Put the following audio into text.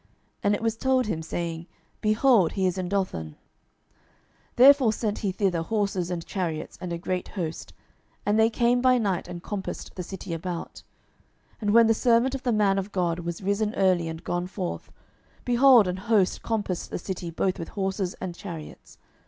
And it was told him, saying, Behold, he is in Dothan. 12:006:014 Therefore sent he thither horses, and chariots, and a great host: and they came by night, and compassed the city about. 12:006:015 And when the servant of the man of God was risen early, and gone forth, behold, an host compassed the city both with horses and chariots.